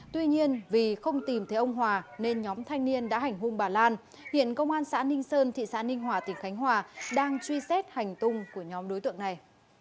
tuy nhiên vì không tìm thấy ông hòa nên nhóm thanh niên đã hành hung bà lan hiện công an xã ninh sơn thị xã ninh hòa tỉnh khánh hòa đang truy xét hành tung của nhóm đối tượng này